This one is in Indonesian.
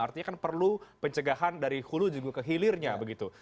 artinya kan perlu pencegahan dari hulu juga ke hilirnya begitu